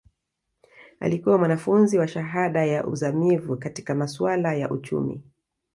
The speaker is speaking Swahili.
Alikuwa mwanafunzi wa shahada ya uzamivu katika masuala ya uchumi